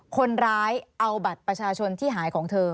คนร้ายเอาบัตรประชาชนที่หายของเธอ